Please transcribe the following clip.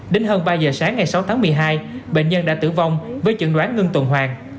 đến hơn ba giờ sáng ngày sáu tháng một mươi hai bệnh nhân đã tử vong với chẩn đoán ngưng tuần hoàng